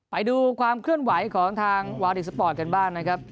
ไปดูความเคลื่อนไหวของทางวาลดิกสปอร์ตกันบ้าง